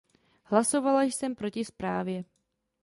Hlasovala jsem proti zprávě.